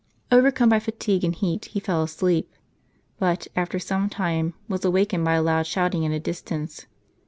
Overcome by fatigue and heat, he fell asleep; but, after some time, was awakened by a loud shouting at a distance.